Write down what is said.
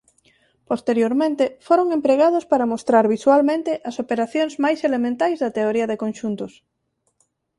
Posteriormente foron empregados para mostrar visualmente as operacións máis elementais da teoría de conxuntos.